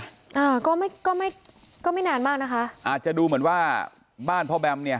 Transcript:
อ่าก็ไม่ก็ไม่ก็ไม่ก็ไม่นานมากนะคะอาจจะดูเหมือนว่าบ้านพ่อแบมเนี่ย